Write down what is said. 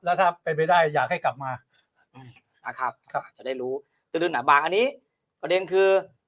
แล้วถ้าเป็นไปได้อยากให้กลับมาจะได้รู้อันนี้ประเด็นคือ